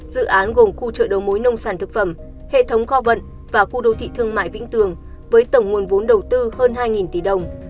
dự án gồm khu chợ đầu mối nông sản thực phẩm hệ thống kho vận và khu đô thị thương mại vĩnh tường với tổng nguồn vốn đầu tư hơn hai tỷ đồng